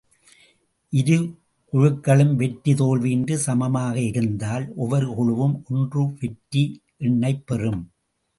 இரு குழுக்களும் வெற்றி தோல்வியின்றி சமமாக இருந்தால், ஒவ்வொரு குழுவும் ஒன்று வெற்றி எண்ணைப் பெறும்.